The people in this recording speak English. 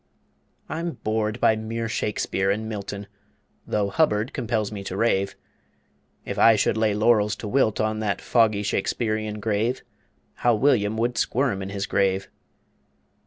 I'm bored by mere Shakespeare and Milton, Though Hubbard compels me to rave; If I should lay laurels to wilt on That foggy Shakespearean grave, How William would squirm in his grave!